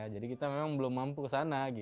jadi kita memang belum mampu ke sana